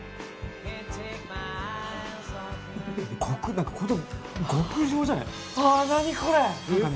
なんかホント極上じゃない？